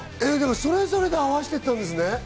それぞれで合わしていったんですね。